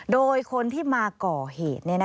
โดยคนที่มาก่อเหตุ